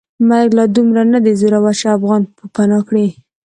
مرګ لا دومره ندی زورور چې افغان پوپناه کړي.